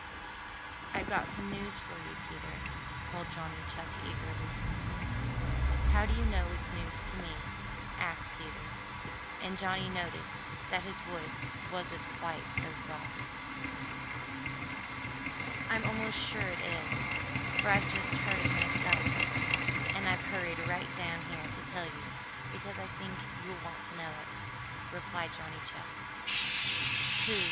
"I've got some news for you, Peter," called Johnny Chuck eagerly. "How do you know it's news to me?" asked Peter, and Johnny noticed that his voice wasn't quite so cross. "I'm almost sure it is, for I've just heard it myself, and I've hurried right down here to tell you because I think you'll want to know it," replied Johnny Chuck. "Pooh!"